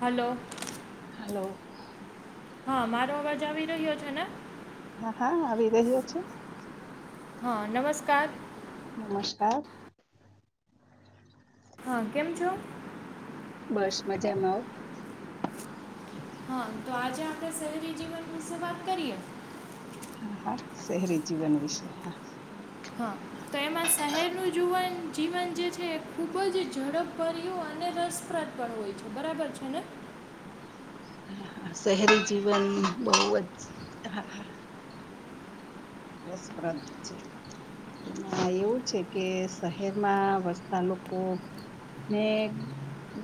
Hello hello હા મારો અવાજ આવી રહ્યો છે ને હા હા આવી રહ્યો છે હ નમસ્કાર નમસ્કાર હા કેમ છો બસ મજામા હો હા તો આજે આપણે શહેરી જીવન વિશે વાત કરીએ હા હા શેહેરી જીવન વિશે હા હા તો એમા શહેરનુ જીવન જીવન જે છે એ ખૂબ જ ઝડપભર્યું અને રસપ્રદ પણ હોય છે બરાબર છે ને હા હા શહેરી જીવન બહુ જ હા હા રસપ્રદ છે એમા એવુ છે કે શહેરમા વસતા લોકો ને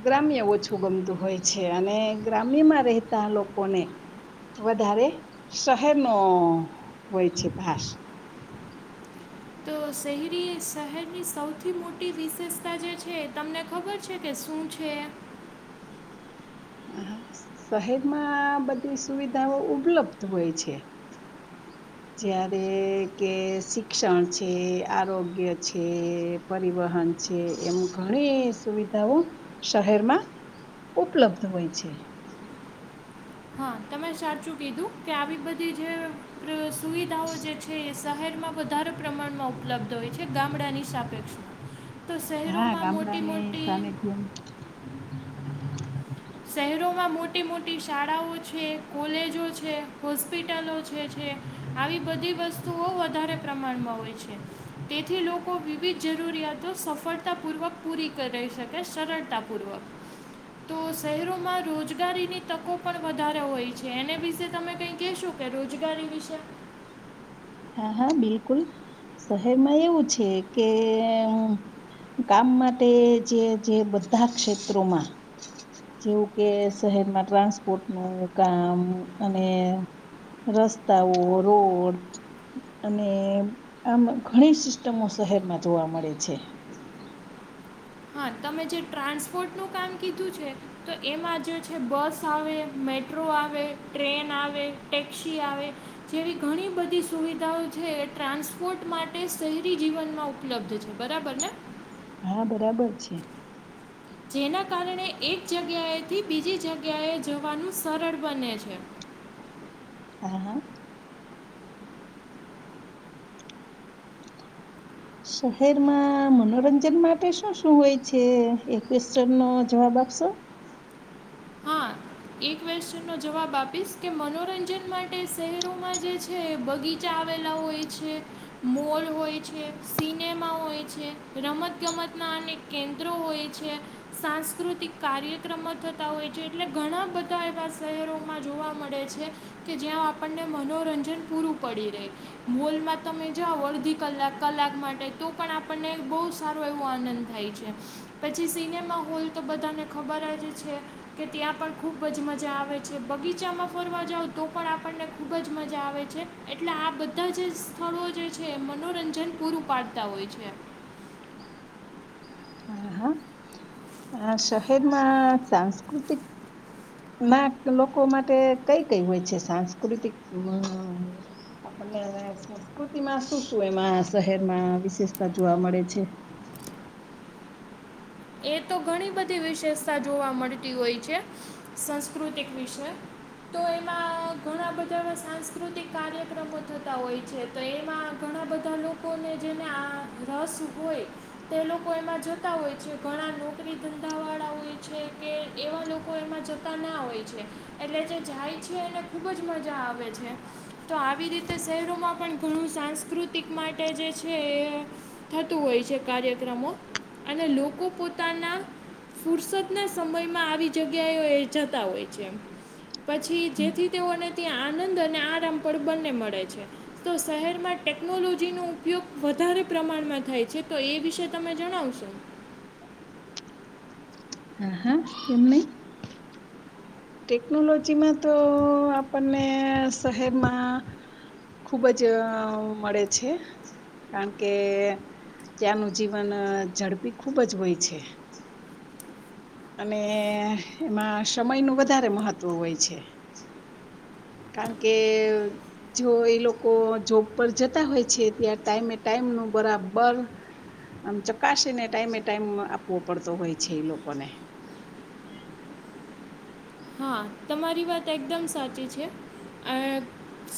ગ્રામ્ય ઓછું ગમતું હોય છે અને ગ્રામ્યમા રહેતા લોકોને વધારે શહેર ન હોય છે ભાસ તો શહેરી શહેરની સૌથી મોટી વિશેષતા જે છે તમને ખબર છે કે શું છે શહેરમા આ બધી સુવિધાઓ ઉપલબ્ધ હોય છે જ્યારે કે શિક્ષણ છે આરોગ્ય છે પરિવહન છે એમ ઘણી સુવિધાઓ શહેરમા ઉપલબ્ધ હોય છે હા તમે સાચું કીધું કે આવી બધી જે સુવિધાઓ જે છે, શહેરમાં વધારે પ્રમાણમાં ઉપલબ્ધ હોય છે ગામડાની સાપેક્ષ હા ગામડા ની સ્નેમ હમ. શહેરોમાં મોટી મોટી શાળાઓ છે કોલેજો છે હોસ્પિટલો જે છે આવી બધી વસ્તુઓ વધારે પ્રમાણમાં હોય છે તેથી લોકો વિવિધ જરૂરિયાતો સફળતાપૂર્વક પૂરી કરી શકે સરળતા પૂર્વક તો શહેરોમાં રોજગારીની તકો પણ વધારે હોય છે એને વિશે તમે કંઈ કહેશો કે રોજગારી વિશે હા હા બિલકુલ શહેરમાં એવું છે કે કામ માટે જે જે બધા ક્ષેત્રોમાં જેવું કે શહેરમાં ટ્રાન્સપોર્ટ નું કામ અને રસ્તાઓ, રોડ અને આમ ઘણી સિસ્ટમો શહેરમાં જોવા મળે છે. હા તમે જે ટ્રાન્સપોર્ટનું કામ કીધું છે તો એમાં જે છે બસ આવે, મેટ્રો આવે, ટ્રેન આવે, ટેક્ક્ષ આવે જેવી ઘણી બધી સુવિધાઓ છે એ ટ્રાન્સપોર્ટ માટે શહેરી જીવનમાં ઉપલબ્ધ છે બરાબર ને હા બરાબર છે. જેના કારણે એક જગ્યાએથી બીજી જગ્યાએ જવાનું સરળ બને છે. હા હા. શહેરમાં મનોરંજન માટે શું શું હોય છે? એન નો જવાબ આપશો એક ક્વેશ્ચનનો જવાબ આપીશ કે મનોરંજન માટે શહેરોમાં જે છે બગીચા આવેલા હોય છે મોલ હોય છે સિનેમા હોય છે રમત ગમતના અનેક કેન્દ્રો હોય છે સાંસ્કૃતિક કાર્યક્રમો થતા હોય છે એટલે ઘણા બધા એવા શહેરોમાં જોવા મળે છે કે જ્યાં આપણને મનોરંજન પૂરું પડી રહે હોલમાં તમે જાઓ અડધી કલાક કલાક માટે તો પણ આપણને બહુ સારો એવો આનંદ થાય છે પછી સિનેમા હોલ તો બધાને ખબર જ છે કે ત્યાં ખૂબ જ મજા આવે છે બગીચામાં ફરવા જાવ તો પણ આપણને ખૂબ જ મજા આવે છે એટલે આ બધા જ સ્થળો જે છે મનોરંજન પૂરું પાડતા હોય છે. હ હા શહેરમાં સાંસ્કૃતિક ના લોકો માટે કઈ કઈ હોય છે સાંસ્કૃતિક આપને સંસ્કૃતિમાં શું શું એમાં શહેરમાં વિશેષતા જોવા મળે છે. એ તો ઘણી બધી વિશેષતા જોવા મળતી હોય છે સાસ્કૃતિક વિશે તો એમાં ઘણા બધા એ સાંસ્કૃતિક કાર્યક્રમો થતા હોય છે તો એમાં ઘણા બધા લોકોને જેને આ રસ હોય તે લોકો એમાં જતા હોય છે. ઘણા નોકરી ધંધાવાળા હોય છે કે એવા લોકો એમાં જતા ના હોય છે એટલે જે જાય છે એને ખૂબ જ મજા આવે છે તો આવી રીતે શહેરોમાં પણ ઘણું સાંસ્કૃતિક માટે જે છે એ થતું હોય છે કાર્યક્રમો અને લોકો પોતાના ફુરસદના સમયમાં આવી જગ્યાએ જતા હોય છે. પછી જેથી તેઓને ત્યાં આનંદ અને આરામ પણ બંને મળે છે તો શહેરમાં ટેકનોલોજીનો ઉપયોગ વધારે પ્રમાણમાં થાય છે તો એ વિશે તમે જણાવશો હા હા કેમ નહી, ટેકનોલોજીમાં તો આપણને શહેરમાં ખુબ જ મળે છે કારણ કે ત્યાંનું જીવન ઝડપી ખૂબ જ હોય છે. અને એમાં સમયનું વધારે મહત્વ હોય છે. કારણ કે જો એ લોકો જોબ પર જતા હોય છે ત્યાં ટાઈમે ટાઈમ નું બરાબર આમ ચકાસીને ટાઈમે ટાઈમ આપવો પડતો હોય છે એ લોકોને હા તમારી વાત એકદમ સાચી છે અ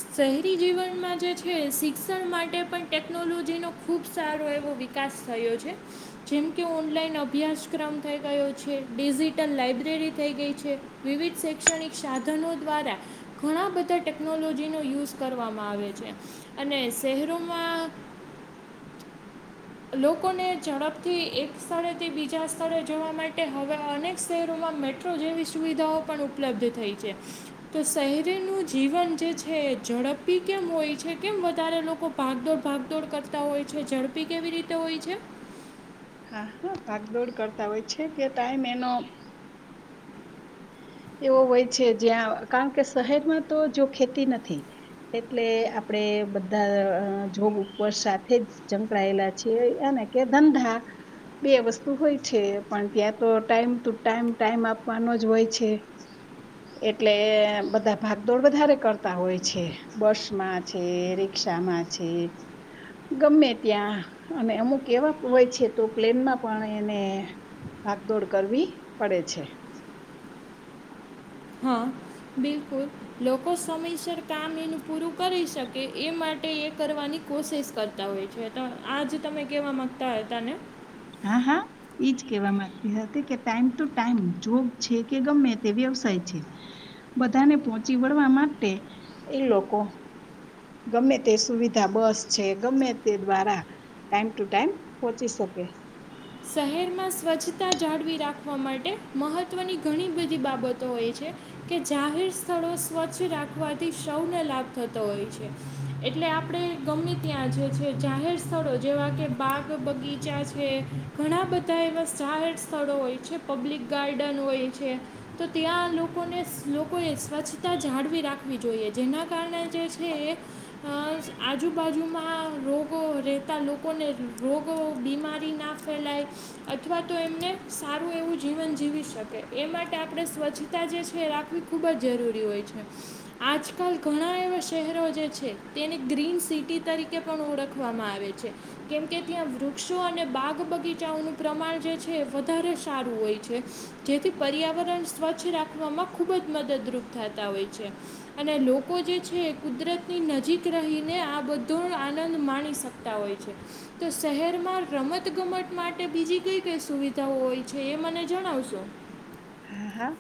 શહેરી જીવનમાં જે છે શિક્ષણ માટે પણ ટેકનોલોજીનો ખૂબ સારો એવો વિકાસ થયો છે, જેમ કે ઓનલાઈન અભ્યાસક્રમ થઈ ગયો છે, ડિજિટલ લાઇબ્રેરી થઈ ગઈ છે. વિવિધ શૈક્ષણિક સાધનો દ્વારા ઘણા બધા ટેકનોલોજીનો યુઝ કરવામાં આવે છે અને શહેરોમાં લોકોને ઝડપથી એક સ્થળેથી બીજા સ્થળે જવા માટે હવે અનેક શહેરોમાં મેટ્રો જેવી સુવિધાઓ પણ ઉપલબ્ધ થઈ છે તો શહેરીનું જીવન જે છે ઝડપી કેમ હોય છે કેમ વધારે લોકો ભાગદોડ ભાગદોડ કરતા હોય છે ઝડપી કેવી રીતે હોય છે. હા હા ભાગદોડ કરતા હોય છે કે ટાઈમ એનો એવો હોય છે જ્યાં કારણ કે શહેરમાં તો જો ખેતી નથી એટલે આપણેે બધા જોબ ઉપર સાથે જ સંકળાયેલા છે એને કે ધંધા બે વસ્તુ હોય છે પણ ત્યાં તો ટાઈમ ટુ ટાઈમ ટાઈમ આપવાનો જ હોય છે. એટલે બધા ભાગદોડ વધારે કરતા હોય છે, બસમાં છે, રિક્ષામાં છે, ગમે ત્યાં અને અમુક એવા હોય છે તો પ્લેનમાં પણ એને ભાગદોડ કરવી પડે છે. હા બિલકુલ લોકો સમયસર કામ એનું પૂરું કરી શકે એ માટે એ કરવાની કોશિશ કરતા હોય છે આજ તમે કેવા માંગતા હતા ને હા હા એજ કહેવા માંગતી હતી કે ટાઈમ ટુ ટાઈમ જોબ છે કે ગમે તે વ્યવસાય છે, બધાને પોહોંચી વળવા માટે એ લોકો ગમે તે સુવિધા બસ છે, ગમે તે દ્વારા ટાઈમ ટુ ટાઈમ પોહોચી શકે. શહેરમાં સ્વચ્છતા જાળવી રાખવા માટે મહત્વ મહત્ત્વની ઘણી બધી બાબતો, હો કે જાહેર સ્થળો સ્વચ્છ રાખવાથી સૌને લાભ થતો હોય છે એટલે આપણે ગમે ત્યાં જ જાહેર સ્થળો જેવા કે બાગ બગીચા છે. ઘણા બધા એવા જાહેર સ્થળો હોય છે પબ્લિક ગાર્ડન હોય છે તો ત્યાં લોકોને લોકોએ સ્વચ્છતા જાળવી રાખવી જોઈએ જેના કારણે જે છે એ આજુબાજુમાં રોગો રહેતા લોકોને રોગો બીમારીના ફેલાય અથવા તો એમને સારું એવું જીવન જીવી શકે એ માટે આપણે સ્વચ્છતા જે છે એ રાખવી ખૂબ જ જરૂરી હોય છે આજકાલ ઘણા એવા શહેરો જે છે તેને ગ્રીન સિટી તરીકે પણ ઓળખવામાં આવે છે કેમકે ત્યાં વૃક્ષો અને બાગ આગ બગીચાઓનું પ્રમાણ જે છે વધારે સારું હોય છે જેથી પર્યાવરણ સ્વચ્છ રાખવામાં ખૂબ જ મદદરૂપ થતા હોય છે અને લોકો જે છે કુદરતની નજીક રહીને આ બધો આનંદ માણી શકતા હોય છે તો શહેરમાં રમત રતગમત માટે બીજી કઈ કઈ સુવિધાઓ હોય છે એ મને જણાવશો. હા હા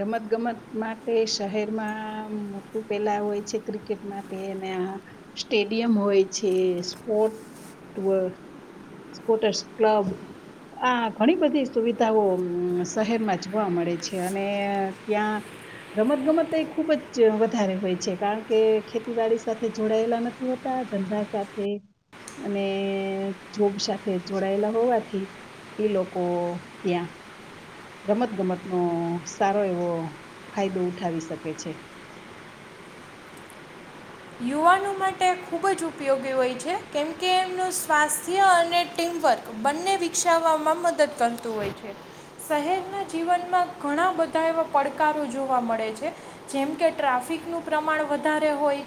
રમત ગમત માટે શહેરમાં મોટું પેલા હોય છે ક્રિકેટ માટે અને સ્ટેડિયમ હોય છે સ્પોટ સ્પોટસ ક્લબ આ ઘણી બધી સુવિધાઓ શહેરમાં જોવા મળે છે અને ત્યાં રમત ગમત એ ખુબ જ વધારે હોય છે કારણ કે ખેતીવાડી સાથે જોડાયેલા નથી હોતા ધંધા સાથે અને જોબ સાથે જોડાયેલા હોવાથી એ લોકો ત્યાં રમતગમતનોો સારો એવો ફાયદો ઉઠાવી શકે છે યુવાનો માટે ખૂબ જ ઉપયોગી હોય છે કેમકે એમનું સ્વાસ્થ્ય અને ટીમવર્ક બંને વિકસાવવામાં મદદ કરતું હોય છે શહેરના જીવનમાં ઘણા બધા એવા પડકારો જોવા મળે છે જેમકે ટ્રાફિકનું પ્રમાણ વધારે હોય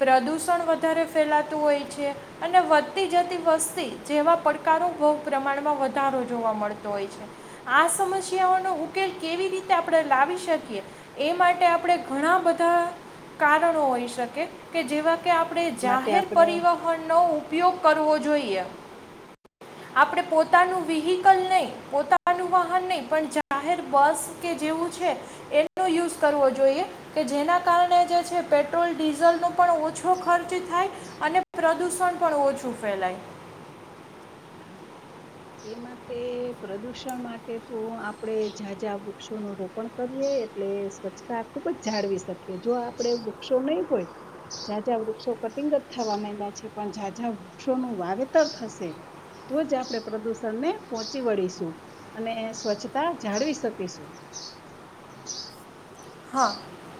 પ્રદૂષણ વધારે ફેલાતું હોય છે અને વધતી જતી વસ્તી જેવા પડકારોુ પ્રમાણમાં વધારો જોવા મળતો હોય છે આ સમસ્યાઓનોો ઉકેલ કેવી રીતે આપણે લાવી શકીએ એ માટે આપણે ઘણા બધા કારણો હોઈએ કે જેવા કે આપણે માટે જાહેર આપણે પરિવહનનો ઉપયોગ કરવો જોઈએ આપણે પોતાનું વ્હીકલ નહીં પોતાનું વાહન નહીં પણ જાહેર બસ કે જેવું છે એનો યુઝ કરવો જોઈએ કે જેના કારણે જે છે પેટ્રોલ ડીઝલનો પણ ઓછો ખર્ચ થાય અને પ્રદુષણ પણ ઓછું ફેલાય હ એ માટે પ્રદુષણ માટે તો આપણેે ઝાઝાં વૃક્ષોનું રોપણ કરીએ એટલે સ્વચ્છતા ખુબ જ જાળવી શકીએ જો આપડણે વૃક્ષો નહી હોય ઝઝાં વૃક્ષો કટિંગત થવા માં્યા છે પણ જાઝઝા વૃક્ષોનું વાવેતર થશે તો જ આપણે પ્રદૂષણને પહોંચી વળીશું અને સ્વચ્છતા જાળવી શકીશું હા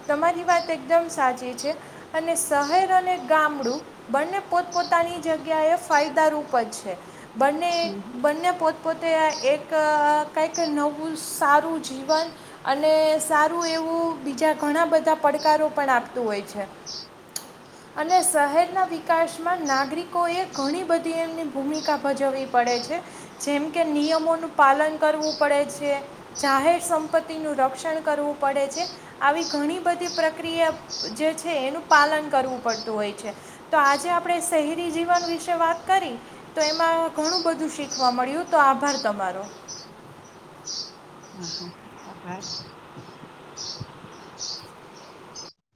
તમારી વાત એકદમ સાચી છે અને શહેર અને ગામડું બંને પોતપોતાની જગ્યા એ ફાયદાારૂપ જ છે બંને બંને પોતપોતે એક કં કે નવું સારું જીવન અને સારું એવું બીજા ઘણા બધા પડકારો પણ આપતું હોય છે અને શહેરના વિકાસમાં નાગરિકોએ ઘણી બધી એમની ભૂમિકા ભજવવી પડે છે જેમ કે નિયમોનું પાલન કરવું પડે છે જાહેર સંપત્તિનું રક્ષણ કરવું પડે છે આવી ઘણી બધી પ્રક્રિયા જે છે એનું પાલન કરવું પડતું હોય છે તો આજે આપણે શહેરી જીવન વિશે વાત કરી તો એમાં ઘણું બધું શીખવા મળ્યું તો આભાર તમારો [inaudible]